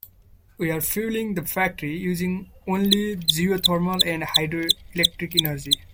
We are fueling the factory using only geothermal and hydro-electric energy.